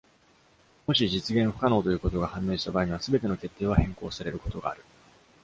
もし実現不可能ということが判明した場合には、全ての決定は変更されることがある。